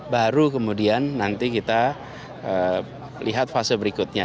baru kemudian nanti kita lihat fase berikutnya